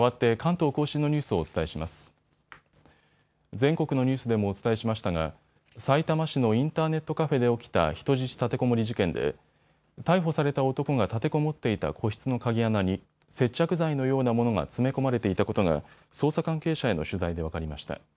全国のニュースでもお伝えしましたがさいたま市のインターネットカフェで起きた人質立てこもり事件で逮捕された男が立てこもっていた個室の鍵穴に接着剤のようなものが詰め込まれていたことが捜査関係者への取材で分かりました。